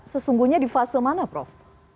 sesungguhnya di fase mana prof